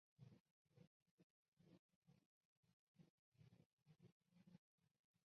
安徽歙县人。